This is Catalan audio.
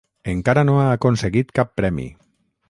Encara no ha aconseguit cap premi.